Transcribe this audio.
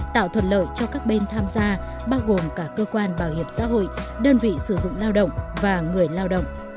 tạo thuận lợi cho các bên tham gia bao gồm cả cơ quan bảo hiểm xã hội đơn vị sử dụng lao động và người lao động